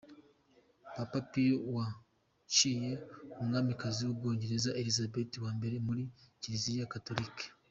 Papa Piyo wa yaciye umwamikazi w’ubwongereza Elizabeth wa mbere muri Kiliziya Gatolika.